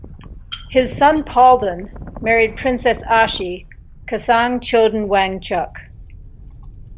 His son Palden married Princess "Ashi" Kesang Choden Wangchuck.